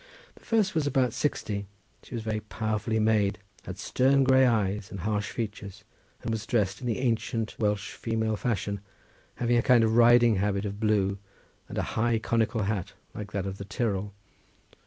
The first was about sixty; she was very powerfully made, had stern grey eyes and harsh features, and was dressed in the ancient Welsh female fashion, having a kind of riding habit of blue, and a high conical hat like that of the Tyrol.